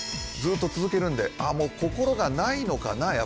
ずっと続けるんで「もう心がないのかな